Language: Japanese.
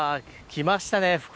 来ましたね。